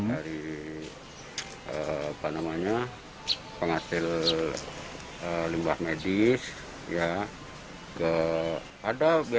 dari penghasil limbah medis ada